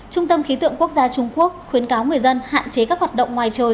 trung tâm khí tượng quốc gia trung quốc khuyến cáo người dân hạn chế các hoạt động ngoài trời